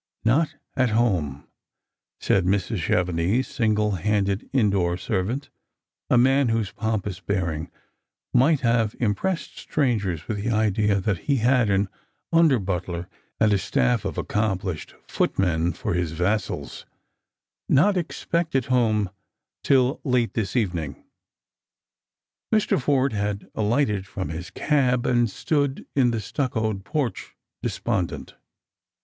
" Not at home," said Mrs. Chevenix's single handed indoor servant, a man whose pompous bearing might have impressed strangers with the idea that he had an under butler and a staff of accomplished footmen for his vassals, " Not erpected home till late this evening." Mr. Forde had alighted from his cab, and stood in the stnocoed porch despondent.